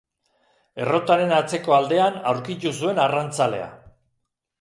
Errotaren atzeko aldean aurkitu zuen arrantzalea.